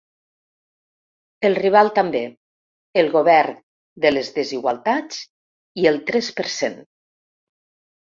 El rival també: el govern de les desigualtats i el tres per cent.